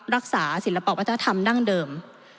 รักษาศิลปวัฒนธรรมดั้งเดิม